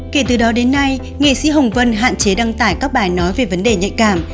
kể từ đó đến nay nghệ sĩ hồng vân hạn chế đăng tải các bài nói về vấn đề nhạy cảm